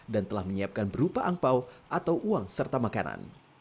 dan telah menyiapkan berupa angpau atau uang serta makanan